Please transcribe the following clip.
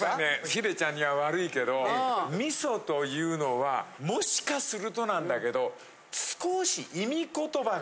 ヒデちゃんには悪いけど味噌というのはもしかするとなんだけど。